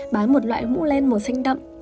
bán một loại mũ len màu xanh đậm